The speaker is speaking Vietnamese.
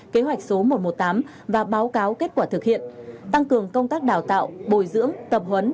kế hoạch số một trăm một mươi tám và báo cáo kết quả thực hiện tăng cường công tác đào tạo bồi dưỡng tập huấn